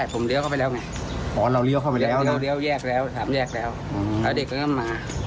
ผมเลี้ยวเข้าไปแล้วไง